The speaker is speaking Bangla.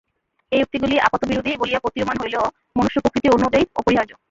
এই উক্তিগুলি আপাতবিরোধী বলিয়া প্রতীয়মান হইলেও মনুষ্য-প্রকৃতি অনুযায়ী অপরিহার্য।